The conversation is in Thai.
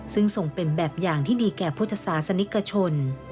ซึ่งทรงเป็นแบบอย่างที่ดีแก่พุทธศาสนิกชน